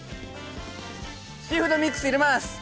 シーフードミックス入れます！